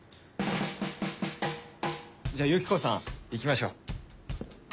じゃあユキコさん行きましょう。